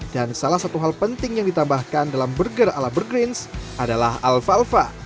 dan salah satu hal penting yang ditambahkan dalam burger ala the greens adalah alfalfa